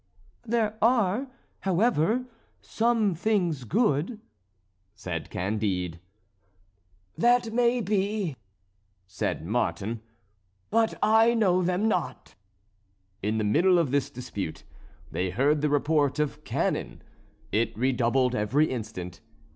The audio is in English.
"There are, however, some things good," said Candide. "That may be," said Martin; "but I know them not." In the middle of this dispute they heard the report of cannon; it redoubled every instant.